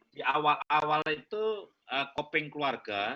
di awal awal itu coping keluarga